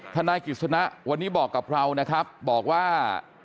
นายกิจสนะวันนี้บอกกับเรานะครับบอกว่า